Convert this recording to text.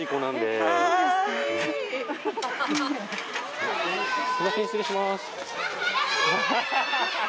すいません失礼します。